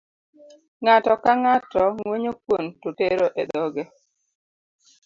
Ng'ato ka ng'ato ngwenyo kuon to tero e dhoge.